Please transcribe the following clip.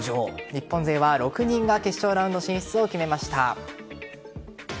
日本勢は６人が決勝ラウンド進出を決めました。